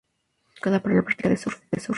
Muy buscada para la práctica de surf.